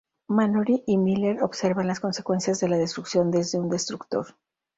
Mallory y Miller observan las consecuencias de la destrucción desde un destructor.